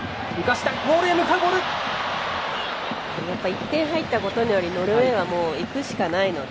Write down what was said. １点入ったことによりノルウェーはもう、いくしかないので。